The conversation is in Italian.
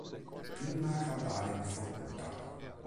Pinna caudale biforcuta.